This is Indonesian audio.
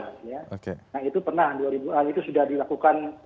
nah itu pernah dua ribu an itu sudah dilakukan